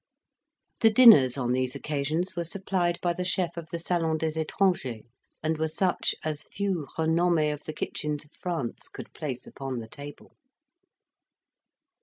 The dinners on these occasions were supplied by the chef of the Salon des Etrangers, and were such as few renommes of the kitchens of France could place upon the table.